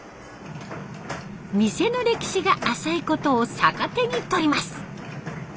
店の歴史が浅いことを逆手にとります。